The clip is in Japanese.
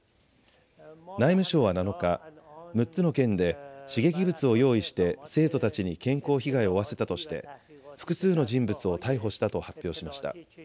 内務省は７日、６つの県で刺激物を用意して生徒たちに健康被害を負わせたとして複数の人物を逮捕したと発表しました。